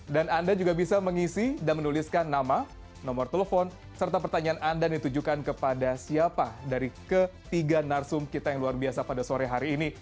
dan anda juga bisa mengisi dan menuliskan nama nomor telepon serta pertanyaan anda ditujukan kepada siapa dari ketiga narsum kita yang luar biasa pada sore hari ini